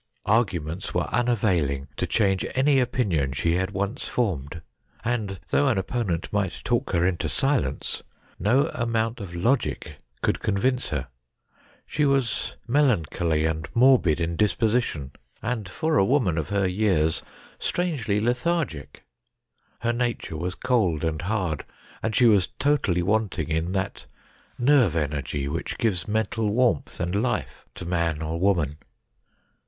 Arguments were unavailing to change any opinion she had once formed ; and though an opponent might talk her into silence, no amount of logic could convince her. She was melancholy and morbid in disposition, and, for a woman of THE CHINA DOG 121 lier years, strangely lethargic. Her nature was cold and hard ; and she was totally wanting in that nerve energy which gives mental warmth and life to man or woman.